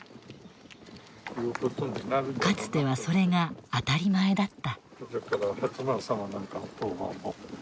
かつてはそれが当たり前だった。